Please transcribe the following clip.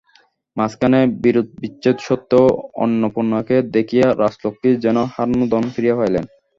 মাঝখানের বিরোধবিচ্ছেদ সত্ত্বেও অন্নপূর্ণাকে দেখিয়া রাজলক্ষ্মী যেন হারানো ধন ফিরিয়া পাইলেন।